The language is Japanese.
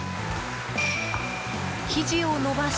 生地を伸ばし。